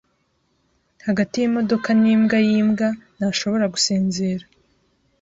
Hagati yimodoka nimbwa yimbwa, ntashobora gusinzira.